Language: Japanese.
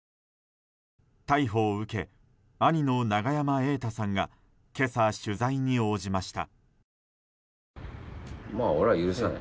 逮捕を受け、兄の永山瑛太さんが今朝、取材に応じました。